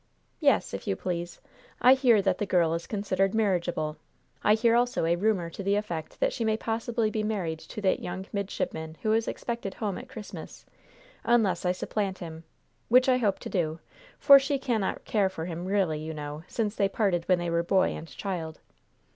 "Yes, if you please. I hear that the girl is considered marriageable. I hear also a rumor to the effect that she may possibly be married to that young midshipman who is expected home at Christmas unless I supplant him, which I hope to do, for she cannot care for him really, you know, since they parted when they were boy and child."